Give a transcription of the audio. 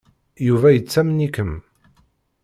Yuba yettamen-ikem.